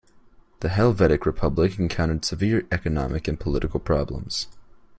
The Helvetic Republic encountered severe economic and political problems.